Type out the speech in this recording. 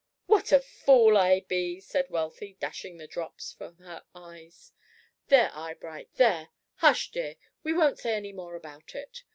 "What a fool I be!" said Wealthy, dashing the drops from her eyes. "There, Eyebright, there! Hush, dear; we won't say any more about it."